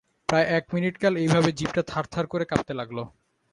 প্রায় এক মিনিটকাল এইভাবে জিভটা থারথার করে কাঁপতে লাগল।